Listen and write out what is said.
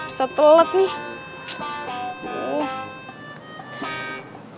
udah telat nih